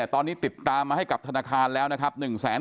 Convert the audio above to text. ตอนนี้ติดตามมาให้กับธนาคารแล้วนะครับ